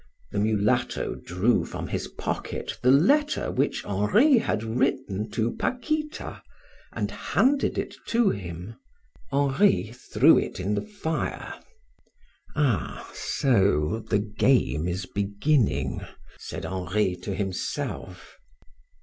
The mulatto drew from his pocket the letter which Henri had written to Paquita and handed it to him. Henri threw it in the fire. "Ah so the game is beginning," said Henri to himself.